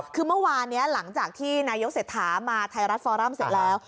คือเมื่อวานนี้หลังจากที่นายกเศรษฐามาไทยรัฐฟอรัมเสร็จแล้ว